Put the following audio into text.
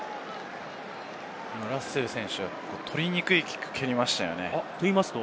ラッセル選手は取りにくいキックを蹴りましたよね。